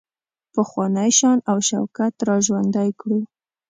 پخوانی شان او شوکت را ژوندی کړو.